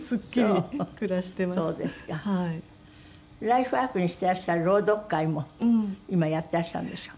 ライフワークにしてらっしゃる朗読会も今やってらっしゃるんでしょ？